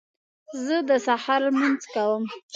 زه د سهار لمونځ کوم